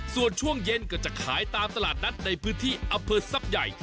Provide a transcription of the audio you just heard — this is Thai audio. ส่วนช่วงเย็นก็จะขายตามตลาดนัดในพื้นที่อำเภอทรัพย์ใหญ่